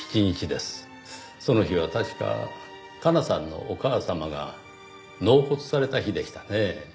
その日は確か加奈さんのお母様が納骨された日でしたねぇ。